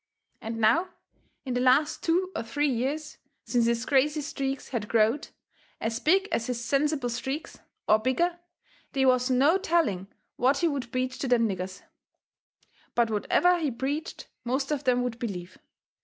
And now, in the last two or three years, since his crazy streaks had growed as big as his sensible streaks, or bigger, they was no telling what he would preach to them niggers. But whatever he preached most of them would believe.